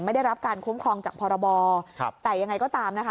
ไม่ได้รับการคุ้มครองจากพรบแต่ยังไงก็ตามนะคะ